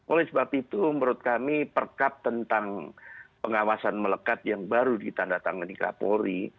oleh sebab itu menurut kami perkab tentang pengawasan melekat yang baru ditandatangani kapolri